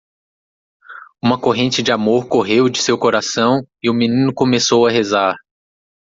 Uma corrente de amor correu de seu coração e o menino começou a rezar.